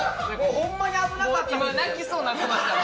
ホンマに危なかったんですよ